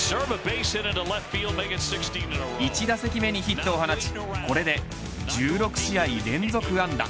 １打席目にヒットを放ちこれで１６試合連続安打。